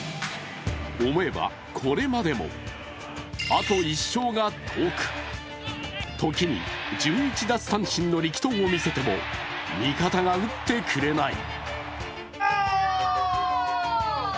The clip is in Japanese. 思えばこれまでもあと１勝が遠く時に１１奪三振の力投を見せても味方が打ってくれない。